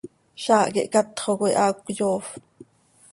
Zaah quih catxo coi haa cöyoofp.